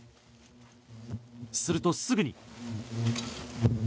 すると、すぐに。